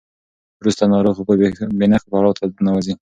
وروسته ناروغ بې نښو پړاو ته ننوځي.